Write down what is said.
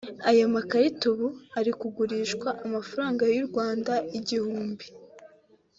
Aya makarita ubu ari kugurishwa amafaranga y’u Rwanda igihumbi